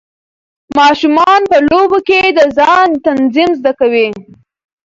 ماشومان په لوبو کې د ځان تنظیم زده کوي.